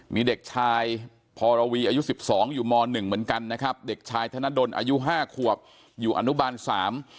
มีเด็กชายพรวีอายุสิบสองอยู่มหนึ่งเหมือนกันนะครับเด็กชายธนดลอายุห้าขวบอยู่อนุบาลสาม